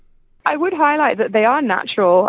saya ingin menambahkan bahwa mereka natural